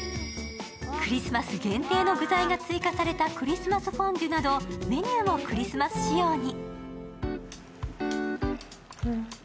クリスマス限定の具材が追加されたクリスマスフォンデュなどメニューもクリスマス仕様に。